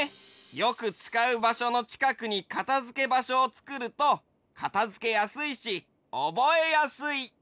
よくつかうばしょのちかくにかたづけばしょをつくるとかたづけやすいしおぼえやすい！